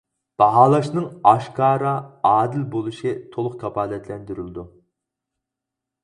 باھالاشنىڭ ئاشكارا، ئادىل بولۇشى تولۇق كاپالەتلەندۈرۈلىدۇ.